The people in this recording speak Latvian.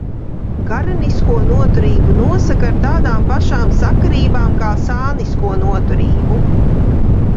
Garenisko noturību nosaka ar tādām pašām sakarībām kā sānisko noturību.